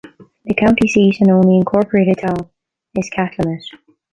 The county seat and only incorporated town is Cathlamet.